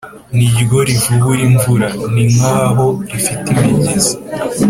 ni ryo rivubura imvura; ni nk’aho rifite imigezi